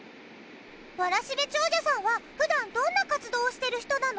わらしべ長者さんは普段どんな活動をしてる人なの？